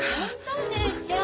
お姉ちゃん。